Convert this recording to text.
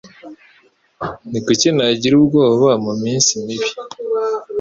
Ni kuki nagira ubwoba mu minsi mibi